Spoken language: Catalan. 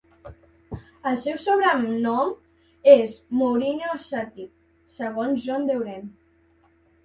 El seu sobrenom és "el Mourinho asiàtic" segons John Duerden.